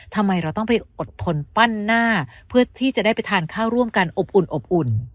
ทำไมเราต้องไปอดทนปั้นหน้าเพื่อที่จะได้ไปทานข้าวร่วมกันอบอุ่นอบอุ่น